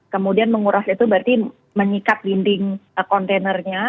kemudian menguras itu berarti menyikat dinding kontainernya